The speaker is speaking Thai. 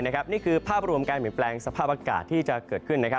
นี่คือภาพรวมการเปลี่ยนแปลงสภาพอากาศที่จะเกิดขึ้น